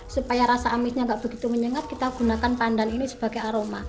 supaya rasa amitnya nggak begitu menyengat kita gunakan pandan ini sebagai aroma